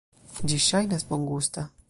Ĝi ŝajnas bongusta.